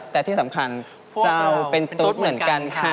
แต่ที่สำคัญเราเป็นตุ๊ดเหมือนกันค่ะ